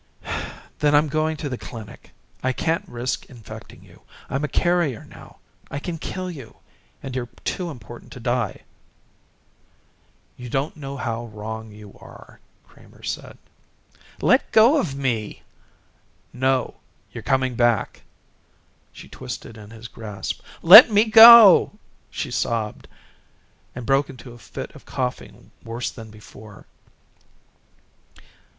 "Then I'm going to the clinic. I can't risk infecting you. I'm a carrier now. I can kill you, and you're too important to die." "You don't know how wrong you are," Kramer said. "Let go of me!" "No you're coming back!" She twisted in his grasp. "Let me go!" she sobbed and broke into a fit of coughing worse than before.